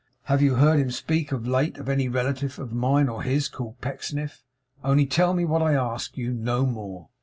Have you heard him speak of late of any relative of mine or his, called Pecksniff? Only tell me what I ask you, no more.